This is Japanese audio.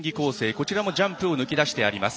こちらもジャンプを抜き出してあります。